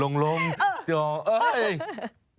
นางคงขึ่นลง